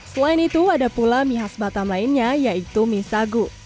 selain itu ada pula mie khas batam lainnya yaitu mie sagu